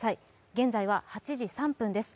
現在は８時３分です。